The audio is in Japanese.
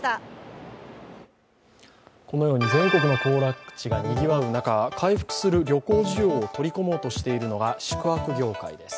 このように全国の行楽地がにぎわう中、回復する旅行需要を取り込もうとしているのが宿泊業界です。